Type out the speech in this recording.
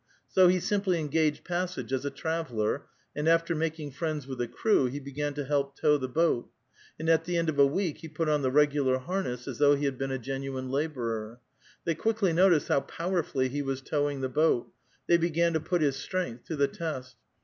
So he simply engaged passage as a traveller, and after making friends with. the crew, he began to help tow the boat; and at the end of a week he put on the regular harness, as though he had been a genuine laborer. They quickly noticed how powerfully he was towing the boat; they began to put his strength to the test.